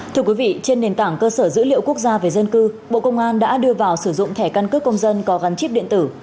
thưa quý vị trên nền tảng cơ sở dữ liệu quốc gia về dân cư bộ công an đã đưa vào sử dụng thẻ căn cước công dân có gắn chip điện tử